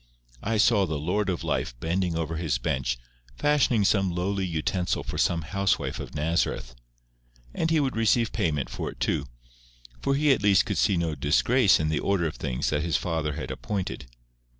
I saw the Lord of Life bending over His bench, fashioning some lowly utensil for some housewife of Nazareth. And He would receive payment for it too; for He at least could see no disgrace in the order of things that His Father had appointed.